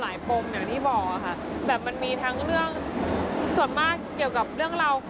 มาว่าคุณสัตว์ที่หนึ่งบรรณิตานะค่ะส่วนท้ายมาว่าหน่อยนางเป็นคนยังไง